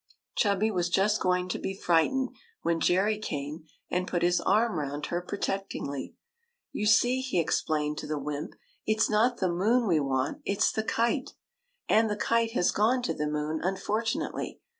Chubby was just going to be frightened, when Jerry came and put his arm round her protect ingly. '' You see," he explained to the wymp, " it 's not the moon we want, it 's the kite. And the kite has gone to the moon, unfortu nately.